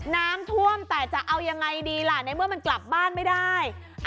น้ำท่วมแต่จะเอายังไงดีล่ะในเมื่อมันกลับบ้านไม่ได้